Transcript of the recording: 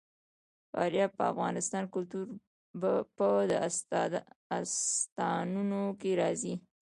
فاریاب د افغان کلتور په داستانونو کې راځي.